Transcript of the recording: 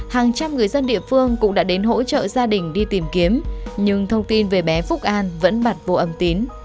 hàng trăm người dân địa phương cũng đã đến hỗ trợ gia đình đi tìm kiếm nhưng thông tin về bé phúc an vẫn bật vô âm tín